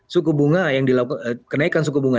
suku bunga yang dilakukan kenaikan suku bunga